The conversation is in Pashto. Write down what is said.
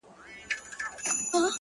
قربان د عِشق تر لمبو سم؛ باید ومي سوځي؛